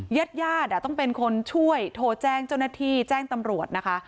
ญาติญาติต้องเป็นคนช่วยโทรแจ้งเจ้าหน้าที่แจ้งตำรวจนะคะ